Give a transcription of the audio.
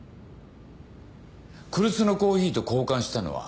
来栖のコーヒーと交換したのは？